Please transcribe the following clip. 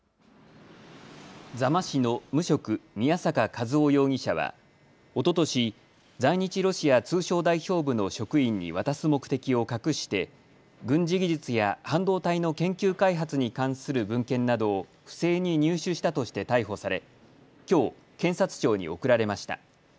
座間市の無職、宮坂和雄容疑者はおととし、在日ロシア通商代表部の職員に渡す目的を隠して軍事技術や半導体の研究開発に関する文献などを不正に入手したとして逮捕されきょう検察庁に送られました。